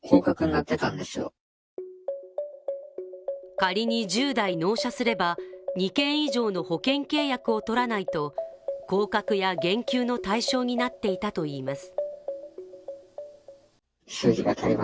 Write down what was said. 仮に１０台納車すれば２件以上の保険契約を取らないと降格や減給の対象になっていたといいます。